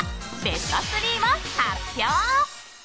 ベスト３を発表。